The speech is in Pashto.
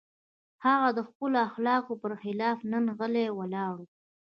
هغه د خپلو اخلاقو پر خلاف نن غلی ولاړ و.